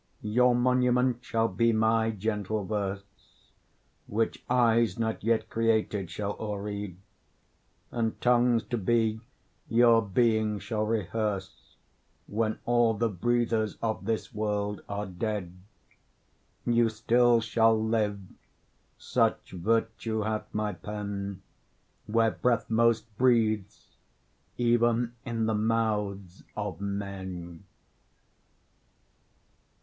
Your monument shall be my gentle verse, Which eyes not yet created shall o'er read; And tongues to be, your being shall rehearse, When all the breathers of this world are dead; You still shall live, such virtue hath my pen, Where breath most breathes, even in the mouths of men.